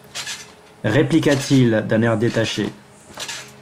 Répliqua-t-il d'un air détaché.